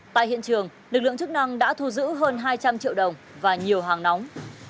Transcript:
tại hiện trường lực lượng chức năng đã thu giữ hơn hai trăm linh triệu đồng và nhiều hàng nóng